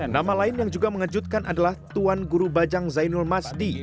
nama lain yang juga mengejutkan adalah tuan guru bajang zainul masdi